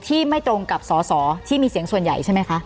ไม่ตรงกับสอสอที่มีเสียงส่วนใหญ่ใช่ไหมคะ